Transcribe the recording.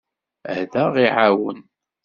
Ad aɣ-iɛawen.